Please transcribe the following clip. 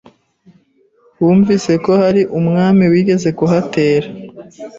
wumvise ko hari umwami wigeze kuhatera?”